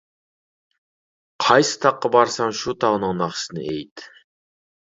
قايسى تاغقا بارساڭ شۇ تاغنىڭ ناخشىسىنى ئېيت.